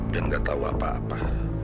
dan gak tahu apa apa